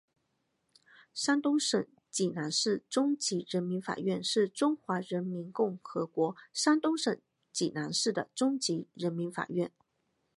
山东省济南市中级人民法院是中华人民共和国山东省济南市的中级人民法院。